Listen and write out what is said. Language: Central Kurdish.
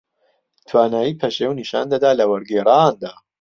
توانایی پەشێو نیشان دەدا لە وەرگێڕاندا